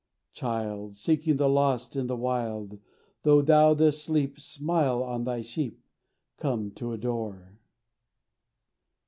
Child, Seeking the lost on the wild, Though Thou dost sleep, Smile on thy sheep Come to adore.